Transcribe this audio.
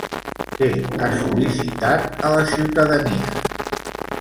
Què ha sol·licitat a la ciutadania?